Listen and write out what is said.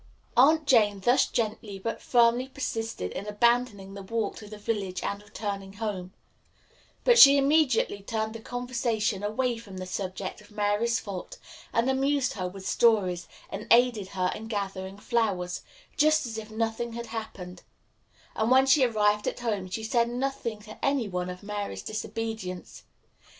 Aunt Jane thus gently, but firmly, persisted in abandoning the walk to the village, and returning home; but she immediately turned the conversation away from the subject of Mary's fault, and amused her with stories and aided her in gathering flowers, just as if nothing had happened; and when she arrived at home she said nothing to any one of Mary's disobedience.